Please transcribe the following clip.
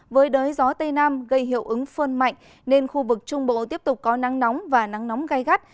với đới gió tây nam gây hiệu ứng phơn mạnh nên khu vực trung bộ tiếp tục có nắng nóng và nắng nóng gai gắt